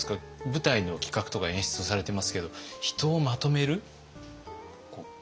舞台の企画とか演出をされてますけど人をまとめる苦労とか難しさ。